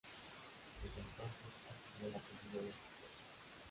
Desde entonces, adquirió el apellido de su esposa.